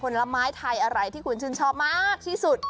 ผลไม้ไทยอะไรที่คุณชื่นชอบมากที่สุด